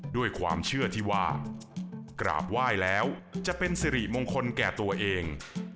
ด้วยความเชื่อที่ว่ากราบไหว้แล้วจะเป็นสิริมงคลแก่ตัวเอง